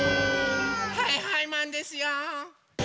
はいはいマンですよ！